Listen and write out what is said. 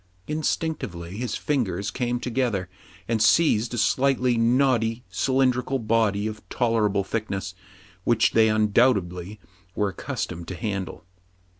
Instinctively his fingers came together, and seized a slightly knotty, cylindrical body, of tol erable thickness, which they undoubtedly were accustomed to handle.